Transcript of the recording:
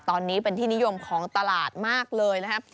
ตอนนี้เป็นที่นิยมของตลาดมากเลยนะครับ